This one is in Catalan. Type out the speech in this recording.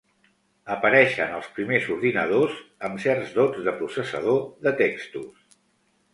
Apareixen els primers ordinadors amb certs dots de processador de textos.